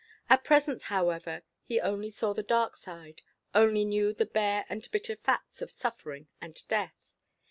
At present, however, he only saw the dark side only knew the bare and bitter facts of suffering and death.